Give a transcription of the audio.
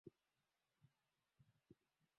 Sindano ilimdunga kwenye kisigino